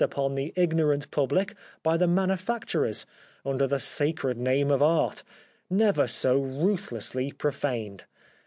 The Life of Oscar Wilde the ignorant public by the manufacturers under the sacred name of Art, never so ruthlessly pro faned.